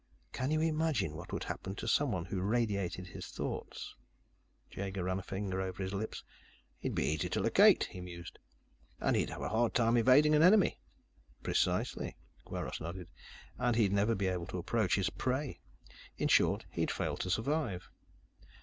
"Can you imagine what would happen to someone who radiated his thoughts?" Jaeger ran a finger over his lips. "He'd be easy to locate," he mused. "And he'd have a hard time evading an enemy." "Precisely." Kweiros nodded. "And he'd never be able to approach his prey. In short, he'd fail to survive.